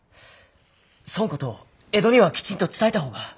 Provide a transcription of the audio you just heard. そんことを江戸にはきちんと伝えた方が。